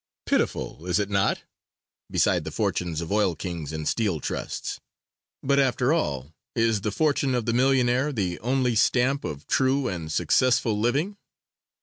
Pitiful, is it not, beside the fortunes of oil kings and steel trusts, but after all is the fortune of the millionaire the only stamp of true and successful living?